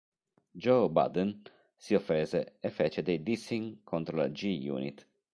Joe Budden si offese e fece dei dissing contro la G-Unit.